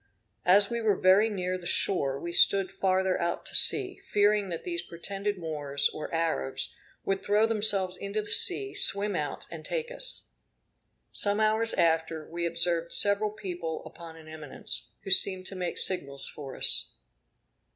As we were very near the shore, we stood farther out to sea, fearing that these pretended Moors, or Arabs, would throw themselves into the sea, swim out, and take us. Some hours after, we observed several people upon an eminence, who seemed to make signals for us.